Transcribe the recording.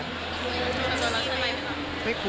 คุยแล้วทำไมครับ